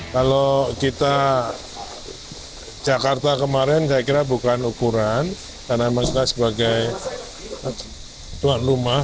kalau kita jakarta kemarin saya kira bukan ukuran karena memang kita sebagai tuan rumah